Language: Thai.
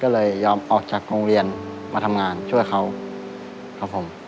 ก็เลยยอมออกจากโรงเรียนมาทำงานช่วยเขาครับผม